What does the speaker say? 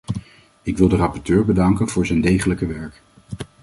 Ik wil de rapporteur bedanken voor zijn degelijke werk.